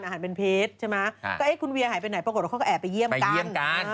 ไม่ได้เปิดแต่ก็คุณเวียหายไปไหนปรากฏว่าเขาก็แอบไปเยี่ยมกัน